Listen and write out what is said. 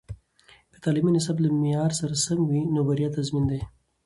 که تعلیمي نصاب له معیار سره سم وي، نو بریا تضمین ده.